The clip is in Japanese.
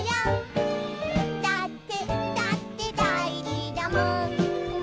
「だってだってだいじだもん」